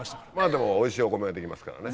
でもおいしいお米ができますからね。